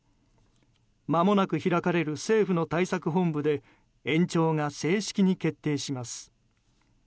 まもなく開かれる政府の対策本部で延長が正式に決定します。